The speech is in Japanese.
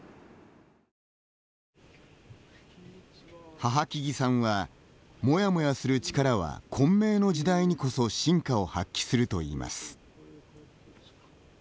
帚木さんは、モヤモヤする力は混迷の時代にこそ真価を発揮するといいます。